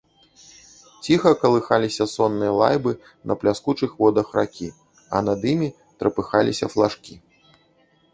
Ціха калыхаліся сонныя лайбы на пляскучых водах ракі, а над імі трапыхаліся флажкі.